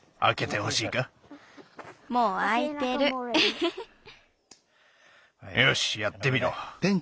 よしやってみろ。